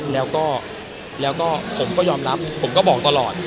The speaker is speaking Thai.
แล้วก็ผมก็ยอมรับผมก็บอกตลอด